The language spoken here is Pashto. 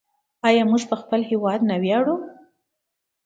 آیا موږ په خپل هیواد نه ویاړو؟